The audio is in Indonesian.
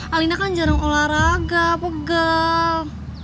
alina kan jarang olahraga pegel